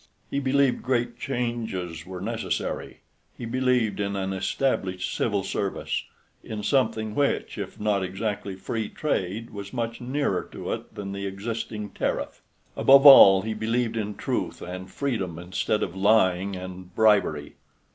He believed great changes were necessary. He believed in an established Civil Service, in something which, if not exactly Free Trade, was much nearer to it than the existing tariff. Above all, he believed in truth and freedom instead of lying and bribery.